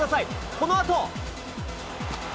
このあと。